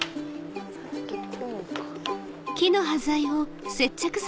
こうか。